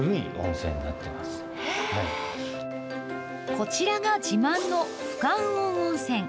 こちらが自慢の不感温温泉。